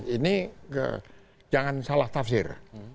ini jangan salah tafsir